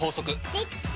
できた！